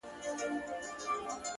هو رشتيا ـ